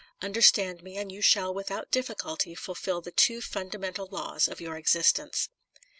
Understand me, and you shall without diffi culty fulfil the two fundamental laws of your existence."